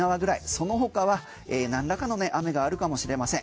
そのほかは何らかの雨があるかもしれません。